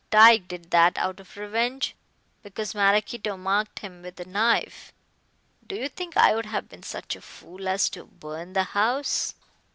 Tyke did that out of revenge, because Maraquito marked him with a knife. Do you think I would have been such a fool as to burn the house.